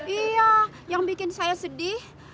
iya yang bikin saya sedih